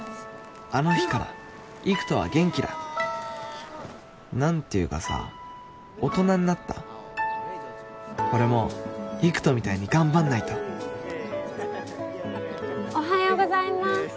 あの日から偉人は元気だ何ていうかさ大人になった俺も偉人みたいに頑張んないとおはようございます。